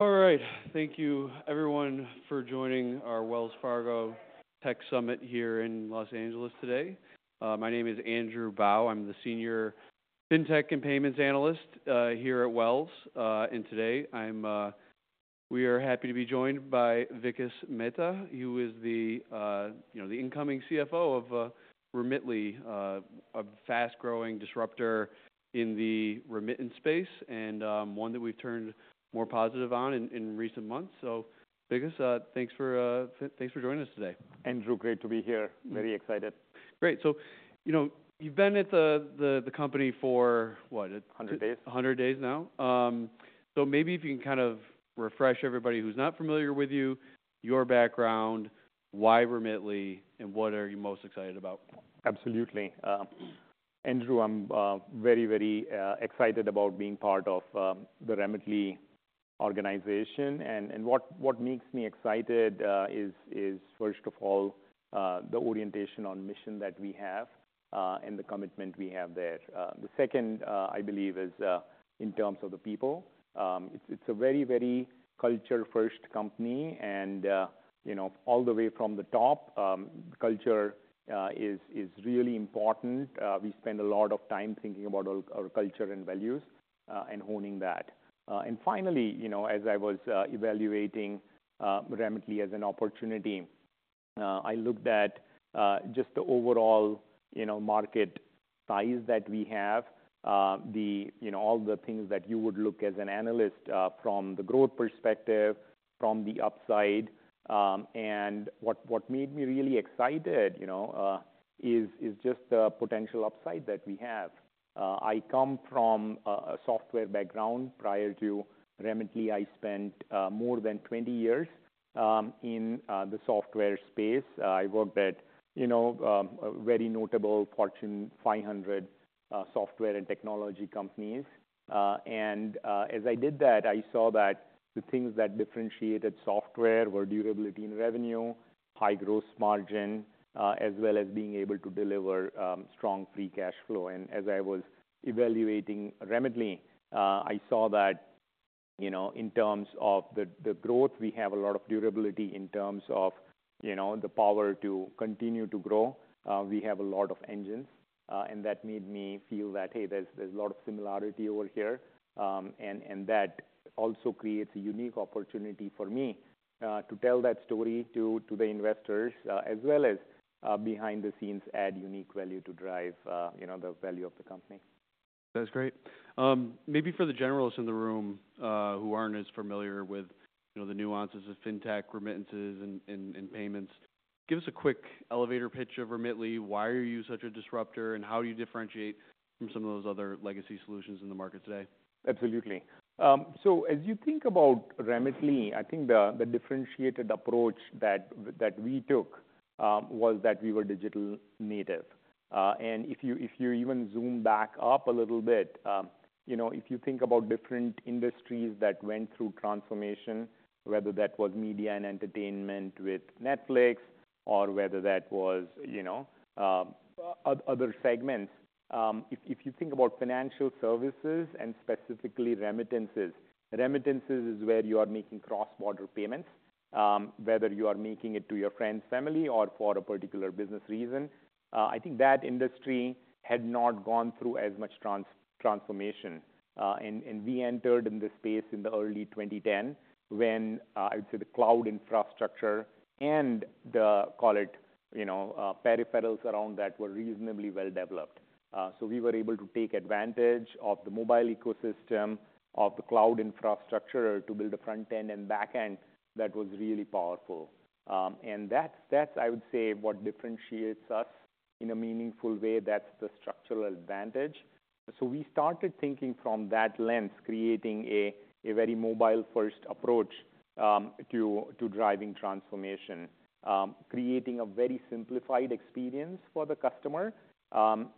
All right, thank you everyone for joining our Wells Fargo Tech Summit here in Los Angeles today. My name is Andrew Bauch. I'm the Senior FinTech and Payments Analyst here at Wells. And today we are happy to be joined by Vikas Mehta, who is the, you know, the incoming CFO of Remitly, a fast-growing disruptor in the remittance space and one that we've turned more positive on in recent months. So Vikas, thanks for joining us today. Andrew, great to be here. Very excited. Great. So, you know, you've been at the company for, what, 100 days? 100 days now. So maybe if you can kind of refresh everybody who's not familiar with you, your background, why Remitly, and what are you most excited about? Absolutely. Andrew, I'm very, very excited about being part of the Remitly organization, and what makes me excited is, first of all, the orientation on mission that we have and the commitment we have there. The second, I believe, is in terms of the people. It's a very, very culture-first company, and, you know, all the way from the top, culture is really important. We spend a lot of time thinking about our culture and values and honing that, and finally, you know, as I was evaluating Remitly as an opportunity, I looked at just the overall, you know, market size that we have, you know, all the things that you would look at as an analyst from the growth perspective, from the upside, and what made me really excited, you know, is just the potential upside that we have. I come from a software background. Prior to Remitly, I spent more than 20 years in the software space. I worked at, you know, very notable Fortune 500 software and technology companies. And as I did that, I saw that the things that differentiated software were durability and revenue, high gross margin, as well as being able to deliver strong free cash flow. And as I was evaluating Remitly, I saw that, you know, in terms of the growth, we have a lot of durability in terms of, you know, the power to continue to grow. We have a lot of engines. And that made me feel that, hey, there's a lot of similarity over here. And that also creates a unique opportunity for me to tell that story to the investors, as well as behind the scenes add unique value to drive, you know, the value of the company. That's great. Maybe for the generalists in the room who aren't as familiar with, you know, the nuances of FinTech remittances and payments, give us a quick elevator pitch of Remitly. Why are you such a disruptor? And how do you differentiate from some of those other legacy solutions in the market today? Absolutely. So as you think about Remitly, I think the differentiated approach that we took was that we were digital native. And if you even zoom back up a little bit, you know, if you think about different industries that went through transformation, whether that was media and entertainment with Netflix or whether that was, you know, other segments, if you think about financial services and specifically remittances, remittances is where you are making cross-border payments, whether you are making it to your friends, family, or for a particular business reason, I think that industry had not gone through as much transformation. And we entered in this space in the early 2010 when I would say the cloud infrastructure and the, call it, you know, peripherals around that were reasonably well developed. So we were able to take advantage of the mobile ecosystem of the cloud infrastructure to build a front end and back end that was really powerful. And that's, I would say, what differentiates us in a meaningful way. That's the structural advantage. So we started thinking from that lens, creating a very mobile-first approach to driving transformation, creating a very simplified experience for the customer.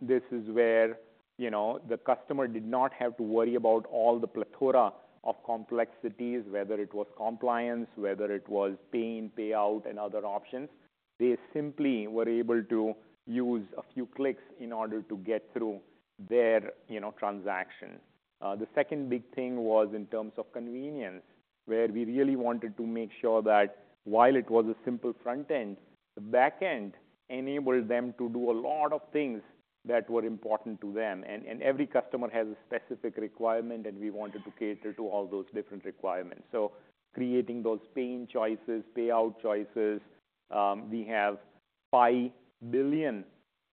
This is where, you know, the customer did not have to worry about all the plethora of complexities, whether it was compliance, whether it was paying, payout, and other options. They simply were able to use a few clicks in order to get through their, you know, transaction. The second big thing was in terms of convenience, where we really wanted to make sure that while it was a simple front end, the back end enabled them to do a lot of things that were important to them. Every customer has a specific requirement, and we wanted to cater to all those different requirements. So creating those paying choices, payout choices. We have five billion,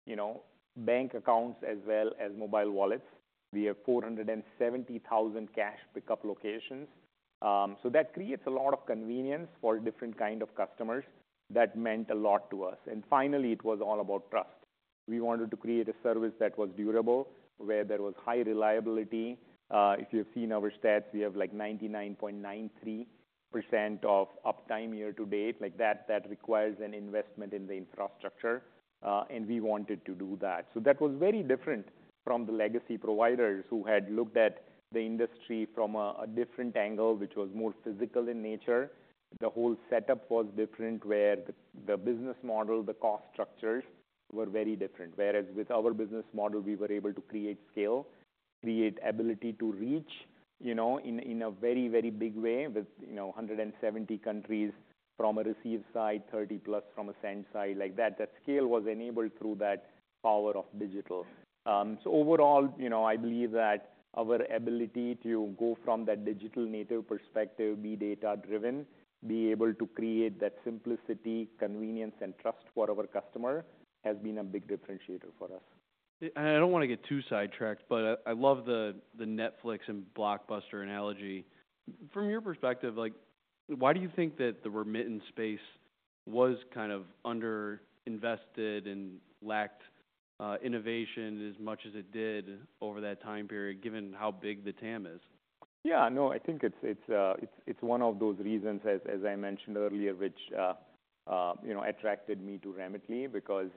you know, bank accounts as well as mobile wallets. We have 470,000 cash pickup locations. So that creates a lot of convenience for different kinds of customers. That meant a lot to us. Finally, it was all about trust. We wanted to create a service that was durable, where there was high reliability. If you've seen our stats, we have like 99.93% of uptime year to date. Like that requires an investment in the infrastructure. We wanted to do that. So that was very different from the legacy providers who had looked at the industry from a different angle, which was more physical in nature. The whole setup was different, where the business model, the cost structures were very different. Whereas with our business model, we were able to create scale, create ability to reach, you know, in a very, very big way with, you know, 170 countries from a receive side, 30 plus from a send side. Like that, that scale was enabled through that power of digital. So overall, you know, I believe that our ability to go from that digital native perspective, be data-driven, be able to create that simplicity, convenience, and trust for our customer has been a big differentiator for us. I don't want to get too sidetracked, but I love the Netflix and Blockbuster analogy. From your perspective, like, why do you think that the remittance space was kind of underinvested and lacked innovation as much as it did over that time period, given how big the TAM is? Yeah, no, I think it's one of those reasons, as I mentioned earlier, which, you know, attracted me to Remitly. Because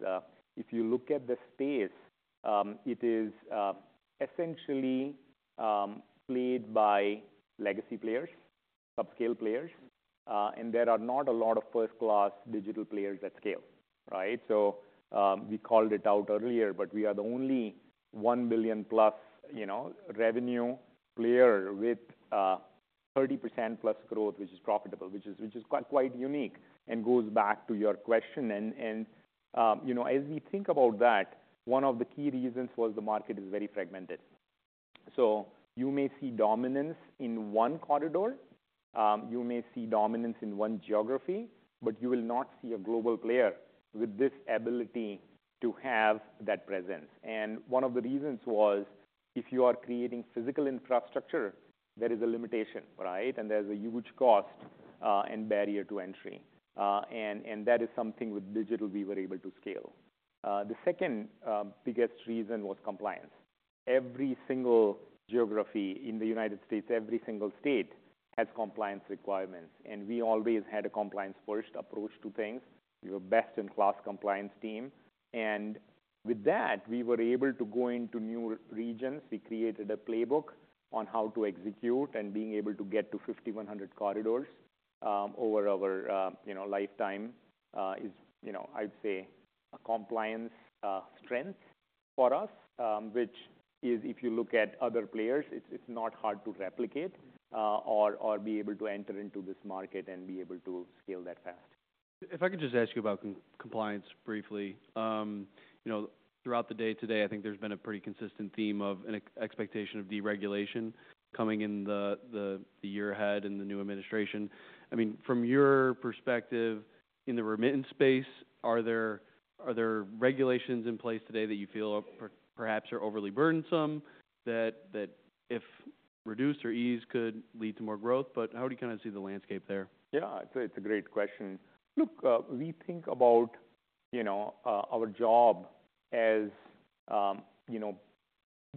if you look at the space, it is essentially played by legacy players, subscale players. And there are not a lot of first-class digital players at scale, right? So we called it out earlier, but we are the only one billion plus, you know, revenue player with 30% growth, which is profitable, which is quite unique and goes back to your question. And, you know, as we think about that, one of the key reasons was the market is very fragmented. So you may see dominance in one corridor. You may see dominance in one geography, but you will not see a global player with this ability to have that presence. And one of the reasons was if you are creating physical infrastructure, there is a limitation, right? There's a huge cost and barrier to entry. That is something with digital we were able to scale. The second biggest reason was compliance. Every single geography in the United States, every single state has compliance requirements. We always had a compliance-first approach to things. We were best-in-class compliance team. With that, we were able to go into new regions. We created a playbook on how to execute and being able to get to 5,100 corridors over our, you know, lifetime is, you know, I would say a compliance strength for us, which is, if you look at other players, it's not hard to replicate or be able to enter into this market and be able to scale that fast. If I could just ask you about compliance briefly, you know, throughout the day today, I think there's been a pretty consistent theme of an expectation of deregulation coming in the year ahead and the new administration. I mean, from your perspective in the remittance space, are there regulations in place today that you feel perhaps are overly burdensome, that if reduced or eased could lead to more growth? But how do you kind of see the landscape there? Yeah, it's a great question. Look, we think about, you know, our job as, you know,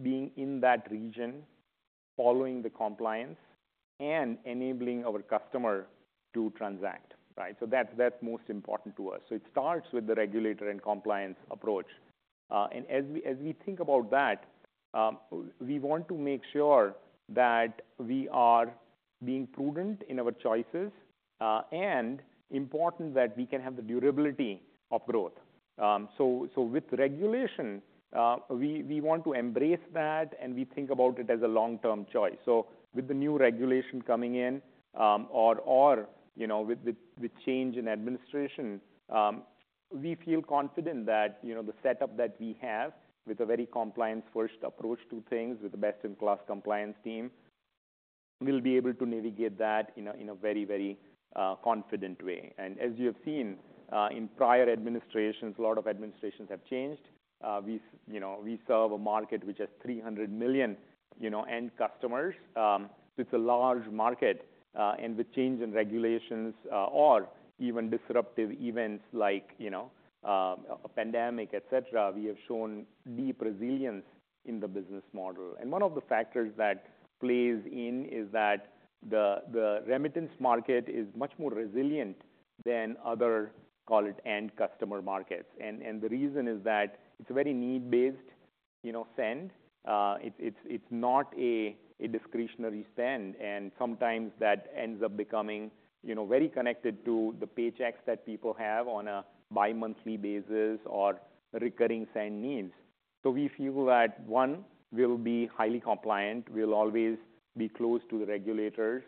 being in that region, following the compliance, and enabling our customer to transact, right? So that's most important to us. So it starts with the regulator and compliance approach. And as we think about that, we want to make sure that we are being prudent in our choices and important that we can have the durability of growth. So with regulation, we want to embrace that and we think about it as a long-term choice. So with the new regulation coming in or, you know, with change in administration, we feel confident that, you know, the setup that we have with a very compliance-first approach to things with the best-in-class compliance team will be able to navigate that in a very, very confident way. And as you have seen in prior administrations, a lot of administrations have changed. We, you know, we serve a market which has 300 million, you know, end customers. It's a large market. And with change in regulations or even disruptive events like, you know, a pandemic, et cetera, we have shown deep resilience in the business model. And one of the factors that plays in is that the remittance market is much more resilient than other, call it, end customer markets. And the reason is that it's a very need-based, you know, send. It's not a discretionary send. And sometimes that ends up becoming, you know, very connected to the paychecks that people have on a bi-monthly basis or recurring send needs. So we feel that, one, we'll be highly compliant, we'll always be close to the regulators,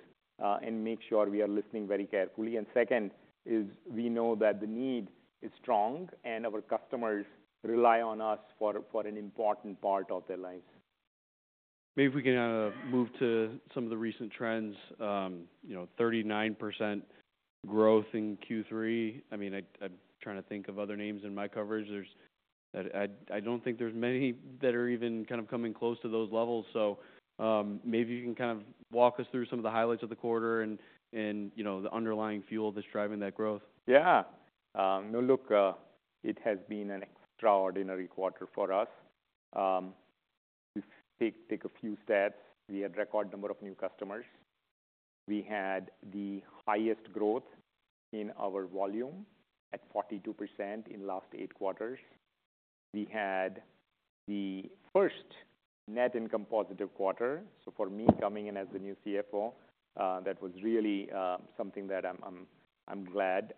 and make sure we are listening very carefully. And, second, we know that the need is strong and our customers rely on us for an important part of their lives. Maybe if we can move to some of the recent trends, you know, 39% growth in Q3. I mean, I'm trying to think of other names in my coverage. I don't think there's many that are even kind of coming close to those levels. So maybe you can kind of walk us through some of the highlights of the quarter and, you know, the underlying fuel that's driving that growth. Yeah. No, look, it has been an extraordinary quarter for us. If we take a few stats, we had a record number of new customers. We had the highest growth in our volume at 42% in the last eight quarters. We had the first net income positive quarter. So for me coming in as the new CFO, that was really something that I'm glad.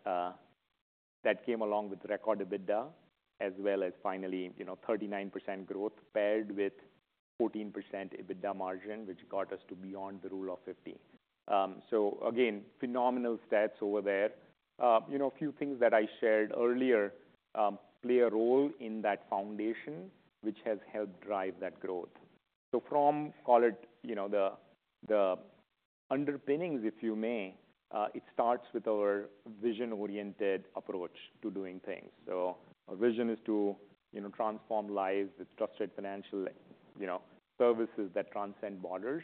That came along with record EBITDA, as well as finally, you know, 39% growth paired with 14% EBITDA margin, which got us to beyond the Rule of 50. So again, phenomenal stats over there. You know, a few things that I shared earlier play a role in that foundation, which has helped drive that growth. So from, call it, you know, the underpinnings, if you may, it starts with our vision-oriented approach to doing things. Our vision is to, you know, transform lives with trusted financial, you know, services that transcend borders.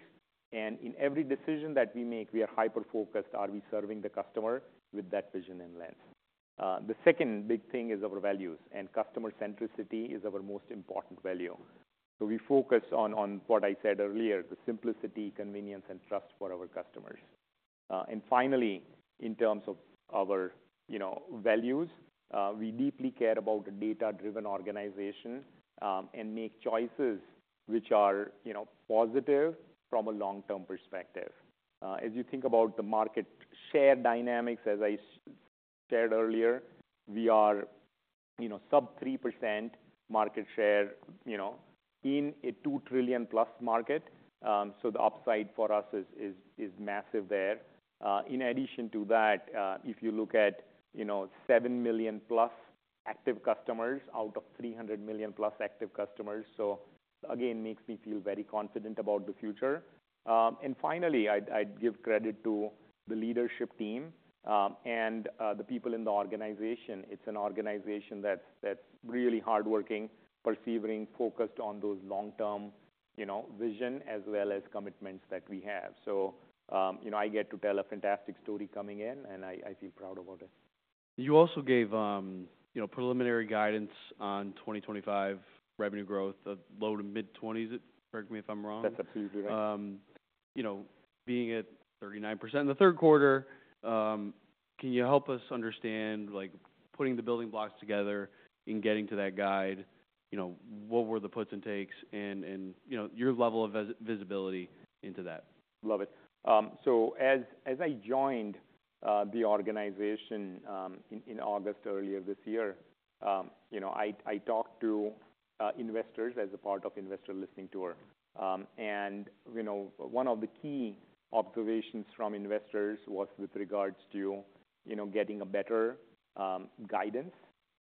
And in every decision that we make, we are hyper-focused. Are we serving the customer with that vision and lens? The second big thing is our values. And customer centricity is our most important value. So we focus on what I said earlier, the simplicity, convenience, and trust for our customers. And finally, in terms of our, you know, values, we deeply care about a data-driven organization and make choices which are, you know, positive from a long-term perspective. As you think about the market share dynamics, as I shared earlier, we are, you know, sub 3% market share, you know, in a $2-trillion-plus market. So the upside for us is massive there. In addition to that, if you look at, you know, 7 million plus active customers out of 300 million plus active customers. So again, it makes me feel very confident about the future. And finally, I'd give credit to the leadership team and the people in the organization. It's an organization that's really hardworking, persevering, focused on those long-term, you know, vision as well as commitments that we have. So, you know, I get to tell a fantastic story coming in, and I feel proud about it. You also gave, you know, preliminary guidance on 2025 revenue growth, low to mid-20s. Correct me if I'm wrong. That's absolutely right. You know, being at 39% in the third quarter, can you help us understand, like, putting the building blocks together in getting to that guide? You know, what were the puts and takes and, you know, your level of visibility into that? Love it. So as I joined the organization in August earlier this year, you know, I talked to investors as a part of investor listening tour. And, you know, one of the key observations from investors was with regards to, you know, getting a better guidance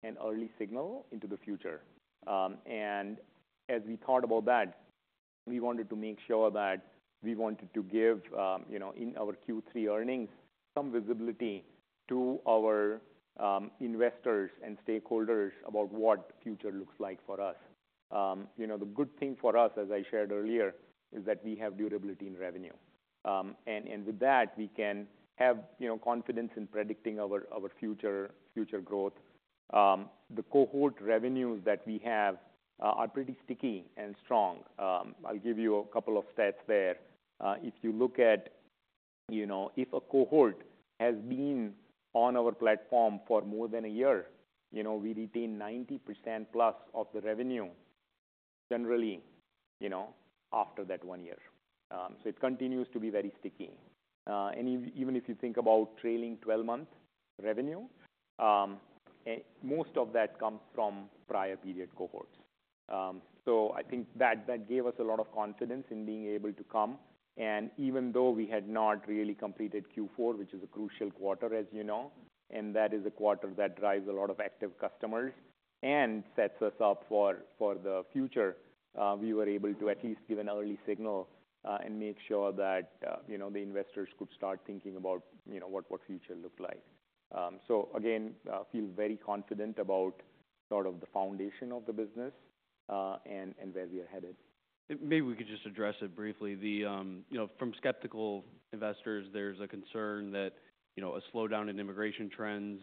and early signal into the future. And as we thought about that, we wanted to make sure that we wanted to give, you know, in our Q3 earnings, some visibility to our investors and stakeholders about what the future looks like for us. You know, the good thing for us, as I shared earlier, is that we have durability in revenue. And with that, we can have, you know, confidence in predicting our future growth. The cohort revenues that we have are pretty sticky and strong. I'll give you a couple of stats there. If you look at, you know, if a cohort has been on our platform for more than a year, you know, we retain 90%+ of the revenue generally, you know, after that one year. So it continues to be very sticky. And even if you think about trailing 12-month revenue, most of that comes from prior period cohorts. So I think that gave us a lot of confidence in being able to come. And even though we had not really completed Q4, which is a crucial quarter, as you know, and that is a quarter that drives a lot of active customers and sets us up for the future, we were able to at least give an early signal and make sure that, you know, the investors could start thinking about, you know, what future looks like. So again, I feel very confident about sort of the foundation of the business and where we are headed. Maybe we could just address it briefly. You know, from skeptical investors, there's a concern that, you know, a slowdown in immigration trends,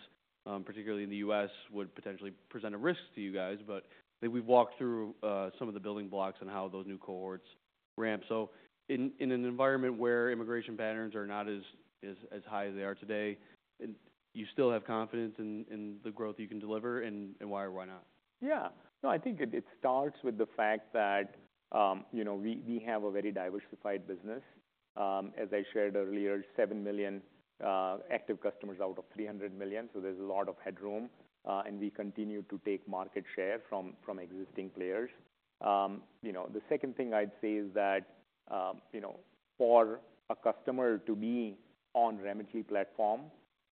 particularly in the U.S., would potentially present a risk to you guys. But I think we've walked through some of the building blocks and how those new cohorts ramp. So in an environment where immigration patterns are not as high as they are today, you still have confidence in the growth you can deliver? And why or why not? Yeah. No, I think it starts with the fact that, you know, we have a very diversified business. As I shared earlier, seven million active customers out of 300 million. So there's a lot of headroom, and we continue to take market share from existing players. You know, the second thing I'd say is that, you know, for a customer to be on Remitly platform,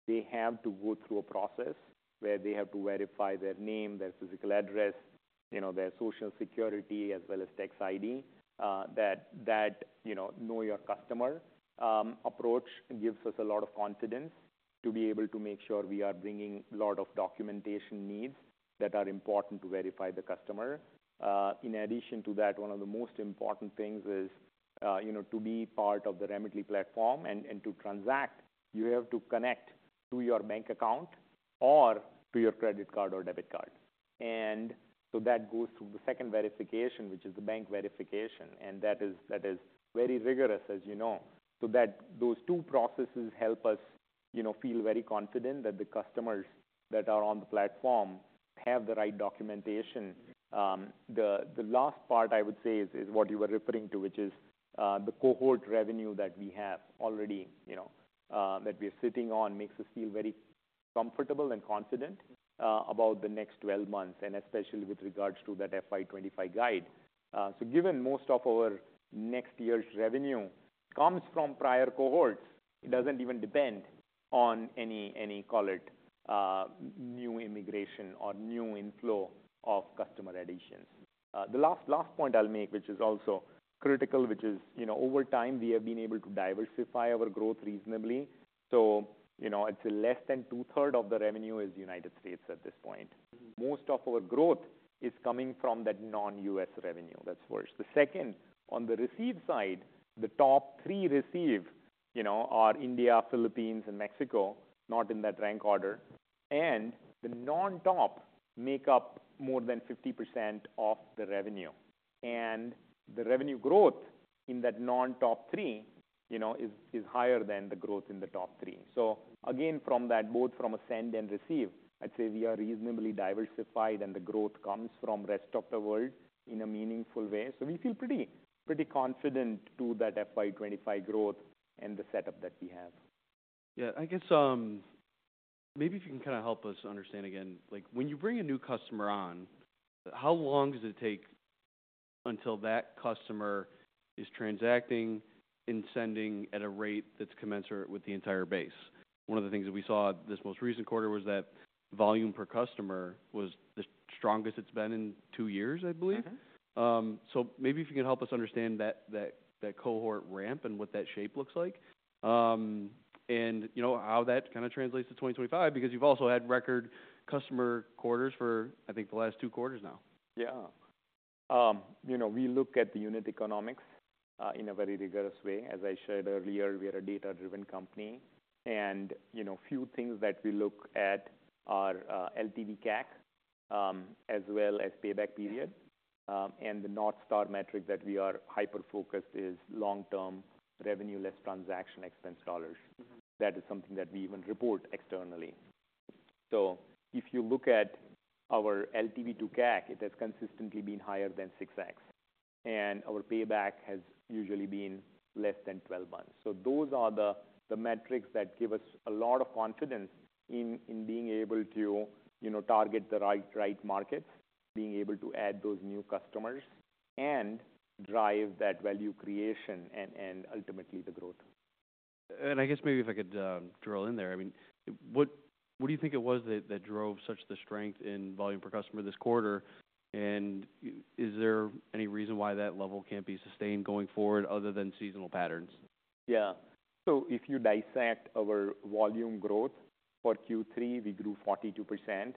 they have to go through a process where they have to verify their name, their physical address, you know, their social security, as well as tax ID, that know your customer approach gives us a lot of confidence to be able to make sure we are bringing a lot of documentation needs that are important to verify the customer. In addition to that, one of the most important things is, you know, to be part of the Remitly platform and to transact, you have to connect to your bank account or to your credit card or debit card. And so that goes through the second verification, which is the bank verification. And that is very rigorous, as you know. So that those two processes help us, you know, feel very confident that the customers that are on the platform have the right documentation. The last part, I would say, is what you were referring to, which is the cohort revenue that we have already, you know, that we are sitting on makes us feel very comfortable and confident about the next 12 months, and especially with regards to that FY25 guide. So given most of our next year's revenue comes from prior cohorts, it doesn't even depend on any, call it, new immigration or new inflow of customer additions. The last point I'll make, which is also critical, which is, you know, over time, we have been able to diversify our growth reasonably. So, you know, it's less than two-thirds of the revenue is United States at this point. Most of our growth is coming from that non-US revenue. That's first. The second, on the receive side, the top three receive, you know, are India, Philippines, and Mexico, not in that rank order. And the non-top make up more than 50% of the revenue. And the revenue growth in that non-top three, you know, is higher than the growth in the top three. So again, from that, both from a send and receive, I'd say we are reasonably diversified and the growth comes from the rest of the world in a meaningful way. So we feel pretty confident to that FY25 growth and the setup that we have. Yeah. I guess maybe if you can kind of help us understand again, like when you bring a new customer on, how long does it take until that customer is transacting and sending at a rate that's commensurate with the entire base? One of the things that we saw this most recent quarter was that volume per customer was the strongest it's been in two years, I believe. So maybe if you can help us understand that cohort ramp and what that shape looks like and, you know, how that kind of translates to 2025, because you've also had record customer quarters for, I think, the last two quarters now. Yeah. You know, we look at the unit economics in a very rigorous way. As I shared earlier, we are a data-driven company. And, you know, a few things that we look at are LTV, CAC as well as payback period. And the North Star metric that we are hyper-focused is long-term revenue less transaction expense dollars. That is something that we even report externally. So if you look at our LTV to CAC, it has consistently been higher than 6X. And our payback has usually been less than 12 months. So those are the metrics that give us a lot of confidence in being able to, you know, target the right markets, being able to add those new customers, and drive that value creation and ultimately the growth. I guess maybe if I could drill in there, I mean, what do you think it was that drove such the strength in volume per customer this quarter? Is there any reason why that level can't be sustained going forward other than seasonal patterns? Yeah. So if you dissect our volume growth for Q3, we grew 42%.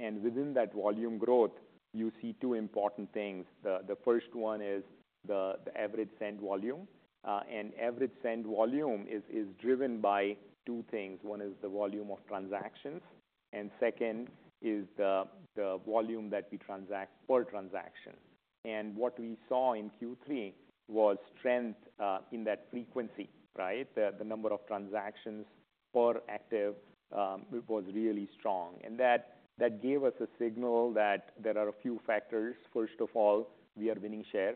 And within that volume growth, you see two important things. The first one is the average send volume. And average send volume is driven by two things. One is the volume of transactions. And second is the volume that we transact per transaction. And what we saw in Q3 was strength in that frequency, right? The number of transactions per active was really strong. And that gave us a signal that there are a few factors. First of all, we are winning share.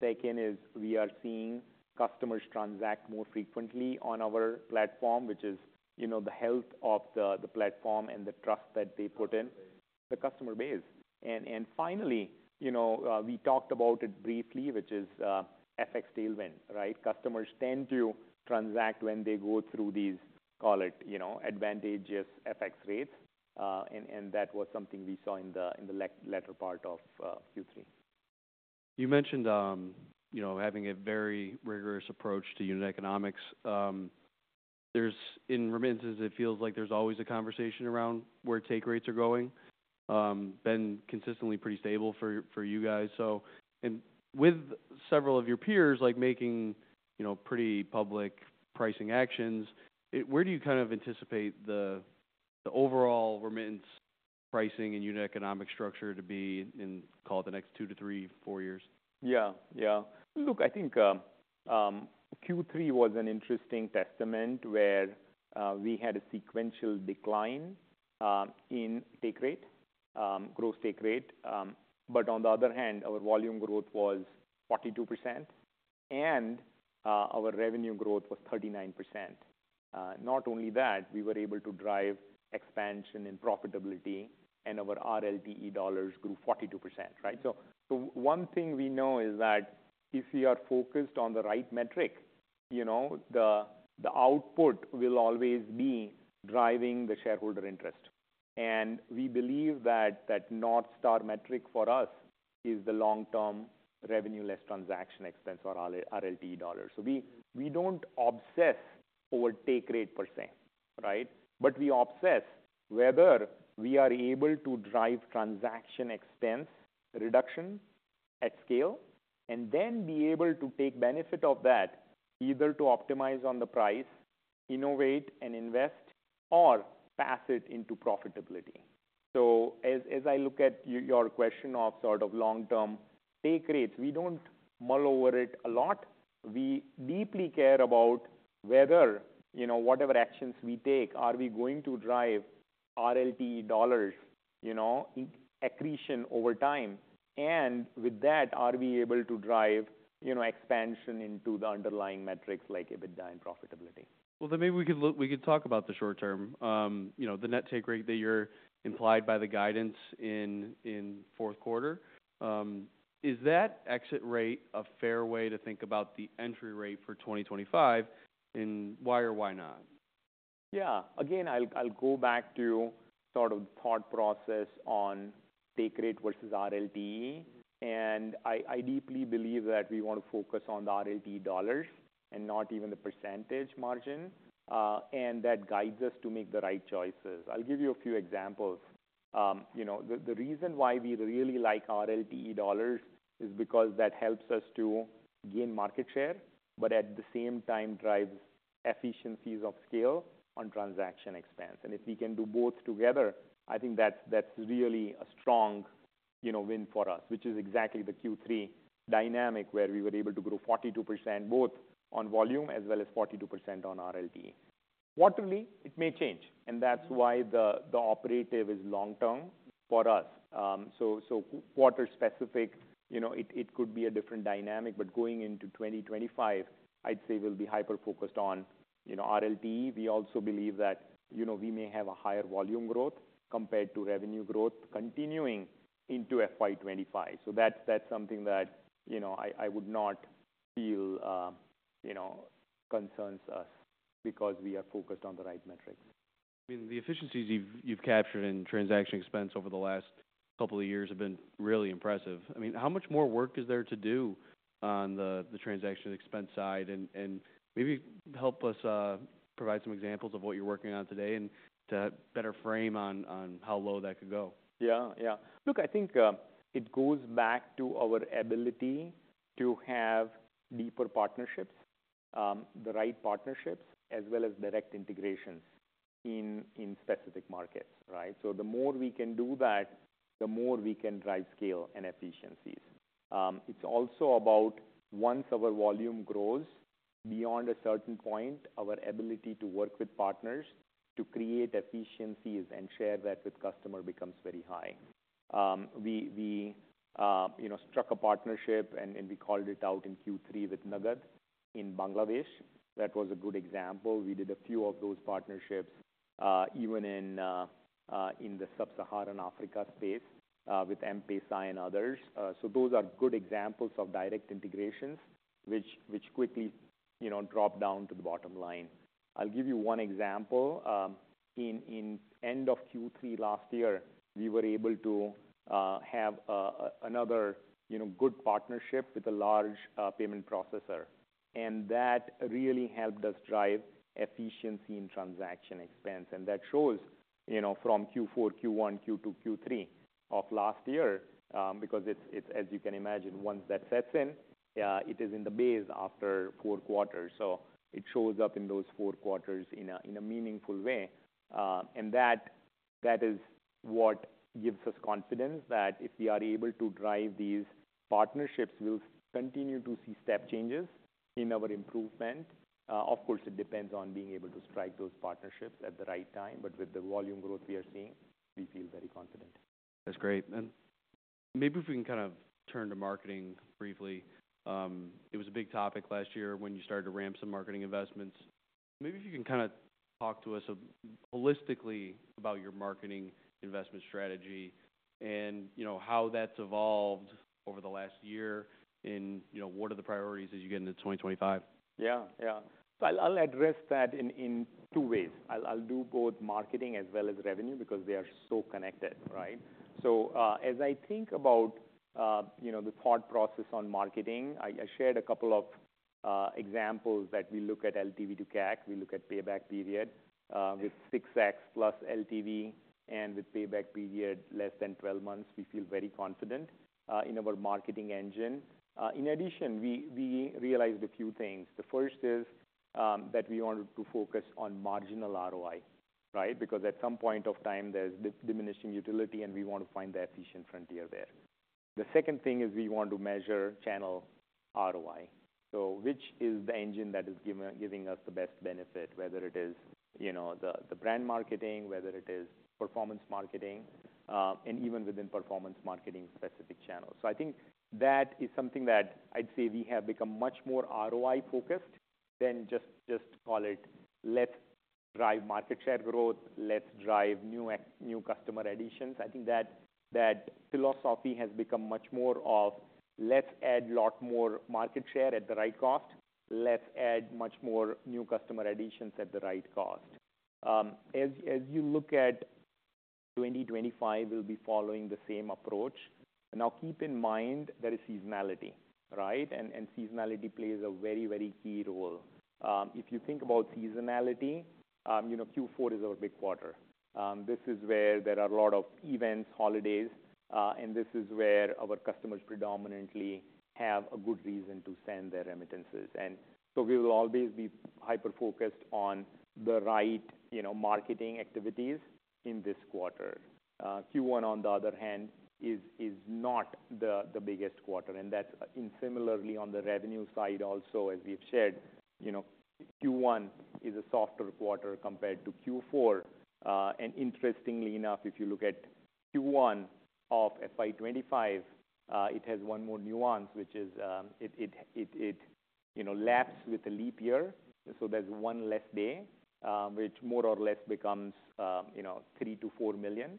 Second is we are seeing customers transact more frequently on our platform, which is, you know, the health of the platform and the trust that they put in the customer base. And finally, you know, we talked about it briefly, which is FX tailwind, right? Customers tend to transact when they go through these, call it, you know, advantageous FX rates. And that was something we saw in the latter part of Q3. You mentioned, you know, having a very rigorous approach to unit economics. There's, in remittances, it feels like there's always a conversation around where take rates are going. Been consistently pretty stable for you guys. So with several of your peers, like making, you know, pretty public pricing actions, where do you kind of anticipate the overall remittance pricing and unit economic structure to be in, call it, the next two to three, four years? Yeah. Yeah. Look, I think Q3 was an interesting testament where we had a sequential decline in take rate, gross take rate. But on the other hand, our volume growth was 42%. And our revenue growth was 39%. Not only that, we were able to drive expansion in profitability. And our RLTE dollars grew 42%, right? So one thing we know is that if we are focused on the right metric, you know, the output will always be driving the shareholder interest. And we believe that North Star metric for us is the long-term revenue, less transaction expense or RLTE dollars. So we don't obsess over take rate per se, right? But we obsess whether we are able to drive transaction expense reduction at scale and then be able to take benefit of that, either to optimize on the price, innovate and invest, or pass it into profitability. As I look at your question of sort of long-term take rates, we don't mull over it a lot. We deeply care about whether, you know, whatever actions we take, are we going to drive RLTE dollars, you know, accretion over time? And with that, are we able to drive, you know, expansion into the underlying metrics like EBITDA and profitability? Well, then maybe we could talk about the short term, you know, the net take rate that you're implied by the guidance in fourth quarter. Is that exit rate a fair way to think about the entry rate for 2025? And why or why not? Yeah. Again, I'll go back to sort of the thought process on take rate versus RLTE. And I deeply believe that we want to focus on the RLTE dollars and not even the percentage margin. And that guides us to make the right choices. I'll give you a few examples. You know, the reason why we really like RLTE dollars is because that helps us to gain market share, but at the same time drives economies of scale on transaction expense. And if we can do both together, I think that's really a strong, you know, win for us, which is exactly the Q3 dynamic where we were able to grow 42% both on volume as well as 42% on RLTE. Quarterly, it may change. And that's why the operative word is long-term for us. So quarter-specific, you know, it could be a different dynamic. But going into 2025, I'd say we'll be hyper-focused on, you know, RLTE. We also believe that, you know, we may have a higher volume growth compared to revenue growth continuing into FY25. So that's something that, you know, I would not feel, you know, concerns us because we are focused on the right metrics. I mean, the efficiencies you've captured in transaction expense over the last couple of years have been really impressive. I mean, how much more work is there to do on the transaction expense side? And maybe help us provide some examples of what you're working on today and to better frame on how low that could go. Yeah. Yeah. Look, I think it goes back to our ability to have deeper partnerships, the right partnerships, as well as direct integrations in specific markets, right? So the more we can do that, the more we can drive scale and efficiencies. It's also about once our volume grows beyond a certain point, our ability to work with partners to create efficiencies and share that with customers becomes very high. We, you know, struck a partnership and we called it out in Q3 with Nagad in Bangladesh. That was a good example. We did a few of those partnerships even in the Sub-Saharan Africa space with M-Pesa and others. So those are good examples of direct integrations which quickly, you know, drop down to the bottom line. I'll give you one example. the end of Q3 last year, we were able to have another, you know, good partnership with a large payment processor. That really helped us drive efficiency in transaction expense. That shows, you know, from Q4, Q1, Q2, Q3 of last year, because it's, as you can imagine, once that sets in, it is in the base after four quarters. It shows up in those four quarters in a meaningful way. That is what gives us confidence that if we are able to drive these partnerships, we'll continue to see step changes in our improvement. Of course, it depends on being able to strike those partnerships at the right time. With the volume growth we are seeing, we feel very confident. That's great. And maybe if we can kind of turn to marketing briefly, it was a big topic last year when you started to ramp some marketing investments. Maybe if you can kind of talk to us holistically about your marketing investment strategy and, you know, how that's evolved over the last year and, you know, what are the priorities as you get into 2025? Yeah. Yeah. So I'll address that in two ways. I'll do both marketing as well as revenue because they are so connected, right? So as I think about, you know, the thought process on marketing, I shared a couple of examples that we look at LTV to CAC. We look at payback period with 6X + LTV and with payback period less than 12 months. We feel very confident in our marketing engine. In addition, we realized a few things. The first is that we wanted to focus on marginal ROI, right? Because at some point of time, there's diminishing utility and we want to find the efficient frontier there. The second thing is we want to measure channel ROI. So which is the engine that is giving us the best benefit, whether it is, you know, the brand marketing, whether it is performance marketing, and even within performance marketing specific channels. So I think that is something that I'd say we have become much more ROI focused than just, just call it, let's drive market share growth, let's drive new customer additions. I think that philosophy has become much more of let's add a lot more market share at the right cost, let's add much more new customer additions at the right cost. As you look at 2025, we'll be following the same approach. Now keep in mind there is seasonality, right? And seasonality plays a very, very key role. If you think about seasonality, you know, Q4 is our big quarter. This is where there are a lot of events, holidays, and this is where our customers predominantly have a good reason to send their remittances. And so we will always be hyper-focused on the right, you know, marketing activities in this quarter. Q1, on the other hand, is not the biggest quarter. And that's similarly on the revenue side also, as we've shared, you know, Q1 is a softer quarter compared to Q4. And interestingly enough, if you look at Q1 of FY25, it has one more nuance, which is it, you know, laps with a leap year. So there's one less day, which more or less becomes, you know, $3million-$4 million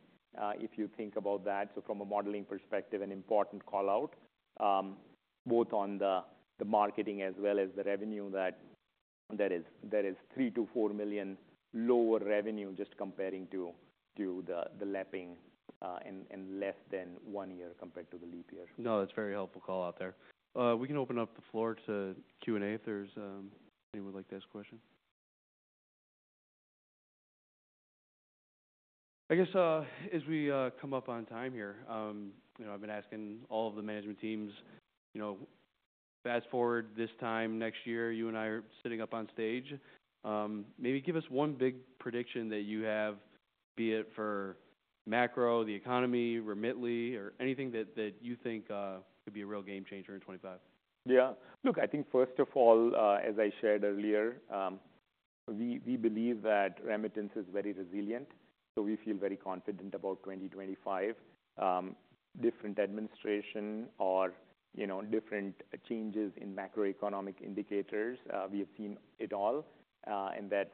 if you think about that. From a modeling perspective, an important call out both on the marketing as well as the revenue that is $3million-$4 million lower revenue just comparing to the lapping and less than one year compared to the leap year. No, that's a very helpful call out there. We can open up the floor to Q&A if there's anyone would like to ask a question. I guess as we come up on time here, you know, I've been asking all of the management teams, you know, fast forward this time next year, you and I are sitting up on stage. Maybe give us one big prediction that you have, be it for macro, the economy, Remitly, or anything that you think could be a real game changer in 2025. Yeah. Look, I think first of all, as I shared earlier, we believe that remittance is very resilient. So we feel very confident about 2025. Different administration or, you know, different changes in macroeconomic indicators, we have seen it all. And that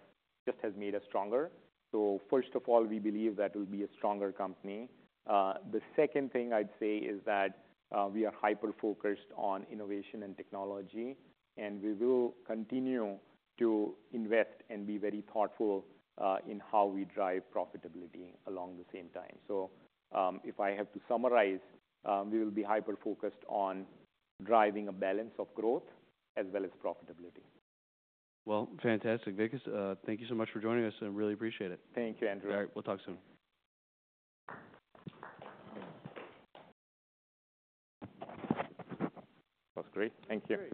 just has made us stronger. So first of all, we believe that we'll be a stronger company. The second thing I'd say is that we are hyper-focused on innovation and technology. And we will continue to invest and be very thoughtful in how we drive profitability along the same time. So if I have to summarize, we will be hyper-focused on driving a balance of growth as well as profitability. Fantastic. Vikas, thank you so much for joining us. I really appreciate it. Thank you, Andrew. All right. We'll talk soon. That's great. Thank you.